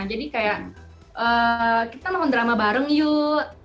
jadi kayak kita nonton drama bareng yuk